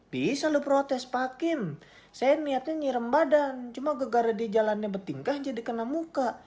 bisa lu protes pak kim saya niatnya nyirem badan cuma gara gara dia jalannya bertingkah jadi kena muka